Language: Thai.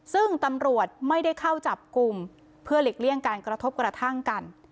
ซึ่งตำรวจไม่ได้เข้าจับกลุ่มเพื่อหลีกเลี่ยงการกระทบกระทั่งกัน